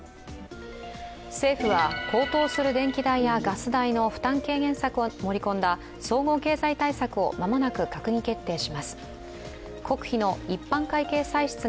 政府は高騰する電気代やガス代の負担軽減策を盛り込んだ総合経済対策を間もなく閣議決定します。